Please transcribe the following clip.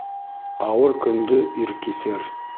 Ауыр көндө ир кисер.